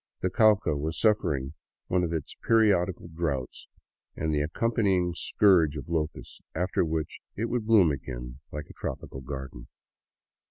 The Cauca was suffering one of its periodical droughts and the accompanying scourge of locusts, after which it would bloom again like a tropical garden.